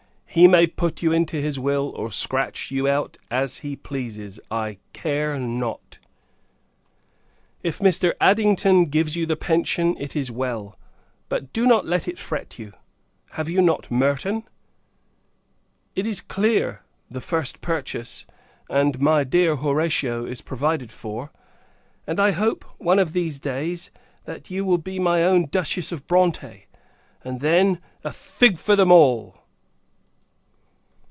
he may put you into his will, or scratch you out, as he pleases, I care not. If Mr. Addington gives you the pension, it is well; but, do not let it fret you. Have you not Merton? It is clear the first purchase and my dear Horatia is provided for: and, I hope, one of these days, that you will be my own Duchess of Bronte; and, then, a fig for them all!